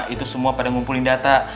itu semua pada ngumpulin data